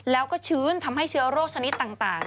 แล้วก็ชื้นทำให้เชื้อโรคชนิดต่าง